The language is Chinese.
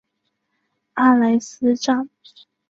阿莱斯站。